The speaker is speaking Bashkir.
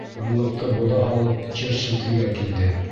Тынлыҡты боҙа һалып Черчилль телгә килде: